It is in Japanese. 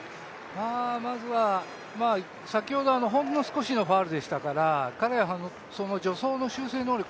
まずは先ほどほんの少しのファウルでしたから彼は助走の修正能力